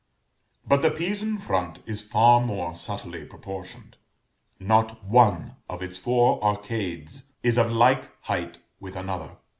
But the Pisan front is far more subtly proportioned. Not one of its four arcades is of like height with another.